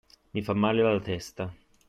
Mi fa male la testa.